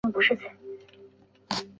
该岛由一个巨大的盾状火山构成